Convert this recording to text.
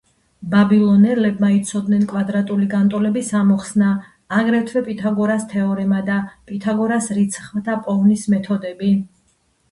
ბაბილონელებმა იცოდნენ კვადრატული განტოლების ამოხსნა, აგრეთვე „პითაგორას თეორემა“ და „პითაგორას“ რიცხვთა პოვნის მეთოდები.